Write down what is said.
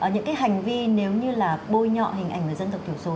những cái hành vi nếu như là bôi nhọ hình ảnh người dân tộc thiểu số